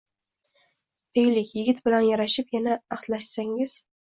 Deylik, yigit bilan yarashib, yana ahdlashdingiz